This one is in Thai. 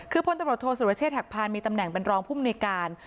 คือพลตำรวจโทรศิริเชษฐกภัณฑ์มีตำแหน่งบันรองภูมิในการ